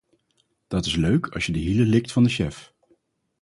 Dat is leuk als je de hielen likt van de chef.